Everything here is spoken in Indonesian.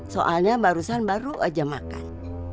soalnya barusan baru aja makan